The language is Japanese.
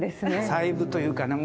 細部というかね